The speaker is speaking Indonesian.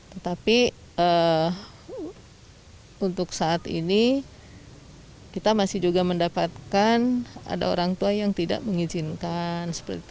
tetapi untuk saat ini kita masih juga mendapatkan ada orang tua yang tidak mengizinkan